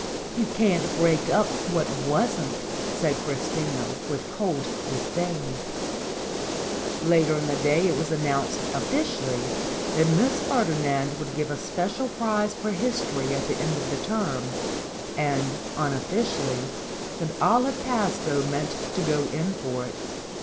"You can't break up what wasn't," said Chris tina with cold disdain. Later in the day it was announced, officially, that Miss Ferdinand would give a special prize for history at the end of the term; and, unofficially, that Olive Pastowe meant to go in for it.